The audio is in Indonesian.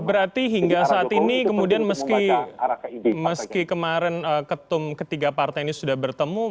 berarti hingga saat ini kemudian meski kemarin ketum ketiga partai ini sudah bertemu